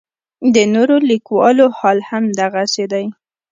د نورو لیکوالو حال هم دغسې دی.